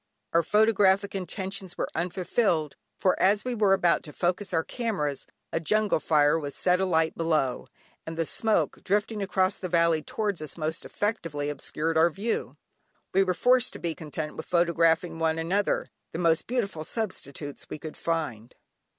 Our photographic intentions were unfulfilled, for as we were about to focus our cameras, a jungle fire was set alight below, and the smoke, drifting across the valley towards us most effectually obscured our view. We were forced to be content with photographing one another, the most beautiful substitutes we could find.